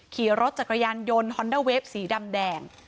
ขี่รถจักรยานยนต์ฮอนเดอร์เวฟสีดำแดง